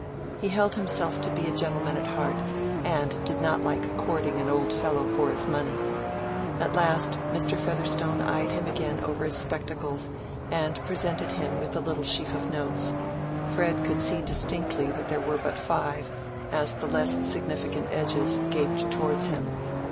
He held himself to be a gentleman at heart, and did not like courting an old fellow for his money. At last, Mr. Featherstone eyed him again over his spectacles and presented him with a little sheaf of notes: Fred could see distinctly that there were but five, as the less significant edges gaped towards him.